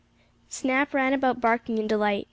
Snap ran about barking in delight.